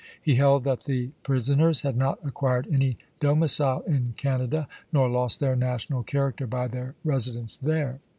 He held that the prisoners had not acquired any domicile in Canada, nor lost their national character by their residence there.